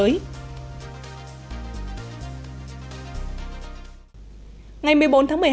ngày một mươi bốn tháng một mươi hai tại hà nội đã diễn ra buổi đối thoại quốc tế